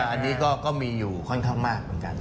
อันนี้ก็มีอยู่ค่อนข้างมากเหมือนกัน